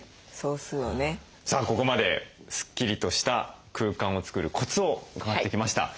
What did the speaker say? さあここまでスッキリとした空間を作るコツを伺ってきました。